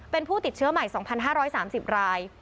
เป็นผู้ติดเชื้อใหม่๒๕๓๐ราย